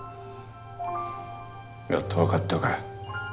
やっと分かったか。